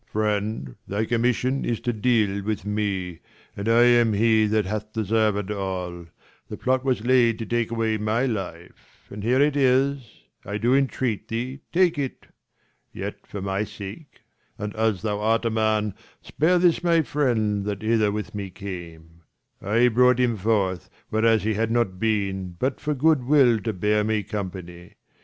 Leir. Friend, thy commission is to deal with me, And I am he .that hath deserved all : 255 The plot was laid to take away my life : And here it is, I do entreat thee take it : Yet for my sake, and as thou art a man, Spare this my friend, that hither with me came : I brought him forth, whereas he had not been, 260 But for good will to bear me company.